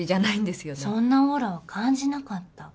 そんなオーラは感じなかった。